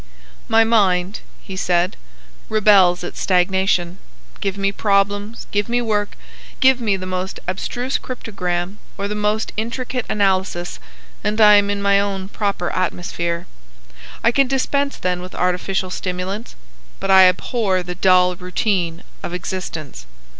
"My mind," he said, "rebels at stagnation. Give me problems, give me work, give me the most abstruse cryptogram or the most intricate analysis, and I am in my own proper atmosphere. I can dispense then with artificial stimulants. But I abhor the dull routine of existence.